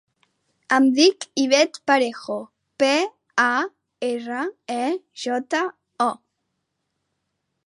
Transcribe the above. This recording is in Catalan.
Em dic Ivette Parejo: pe, a, erra, e, jota, o.